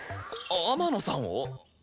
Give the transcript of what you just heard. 天野さんを？